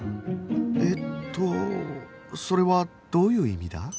えっとそれはどういう意味だ？